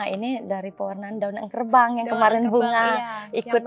ini dari perwarnaan daun angkerbang yang kemarin bunga ikut